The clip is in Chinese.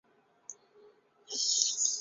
有的专业则提供纯英语授课。